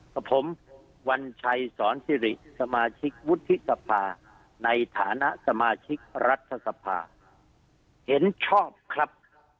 กับผมวัญชัยสอนสิริสมาชิกวุฒิสภาในฐานะสมาชิกรัฐสภาเห็นชอบครับ